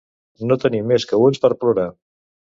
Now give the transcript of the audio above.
No tenir més que ulls per plorar.